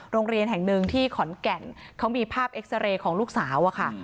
โรงเรียนแห่งหนึ่งที่ขอนแก่นเขามีภาพเอ็กซาเรย์ของลูกสาวอะค่ะ